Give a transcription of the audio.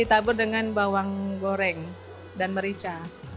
ditabur dengan bawang goreng dan merica